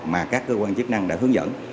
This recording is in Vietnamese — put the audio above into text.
mà các cơ quan chức năng đã hướng dẫn